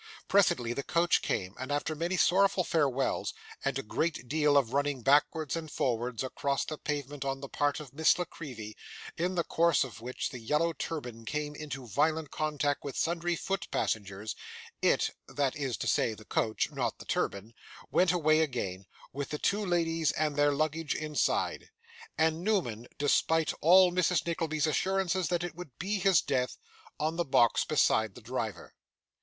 Presently, the coach came; and, after many sorrowful farewells, and a great deal of running backwards and forwards across the pavement on the part of Miss La Creevy, in the course of which the yellow turban came into violent contact with sundry foot passengers, it (that is to say the coach, not the turban) went away again, with the two ladies and their luggage inside; and Newman, despite all Mrs. Nickleby's assurances that it would be his death on the box beside the driver.